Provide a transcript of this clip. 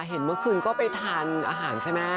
เห็นเมื่อคืนก็ไปทานอาหารใช่ไหม